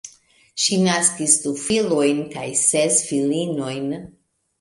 Ŝi naskis du filojn kaj ses filinojn.